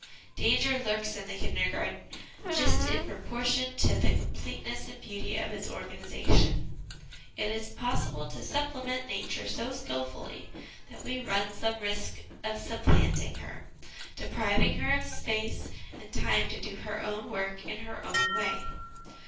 Danger lurks in the Kindergarten, just in proportion to the com pleteness and beauty of its organisation. It is possible to supplement Nature so skilfully that we run some risk of supplanting her, depriving her of space and time to do her own work in her own way.